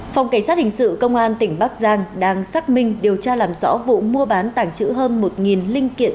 phòng cảnh sát hình sự công an tỉnh bắc giang đang xác minh điều tra làm rõ vụ mua bán tàng trữ hơn một linh kiện